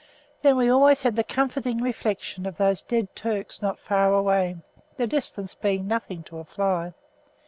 Then we always had the comforting reflection of those dead Turks not far away the distance being nothing to a fly.